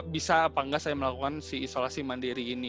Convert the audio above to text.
bisa atau tidak saya melakukan isolasi mandiri ini